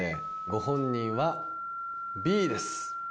ご本人はＢです。